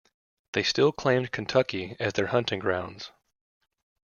They still claimed Kentucky as their hunting grounds.